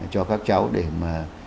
cho các cháu để mà